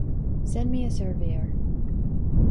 Send me a surveyor.